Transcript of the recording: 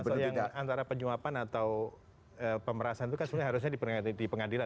masalah yang antara penyuapan atau pemerasaan itu kan sebenarnya harusnya di pengadilan